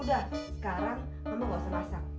udah sekarang kamu gak usah masak